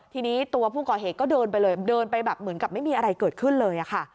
ทีนี้ตัวผู้ก่อเหตุก็เดินไปเลยเดินไปแบบเหมือนกับไม่มีอะไรเกิดขึ้นเลยค่ะ